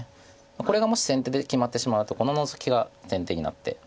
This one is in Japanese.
これがもし先手で決まってしまうとこのノゾキが先手になって。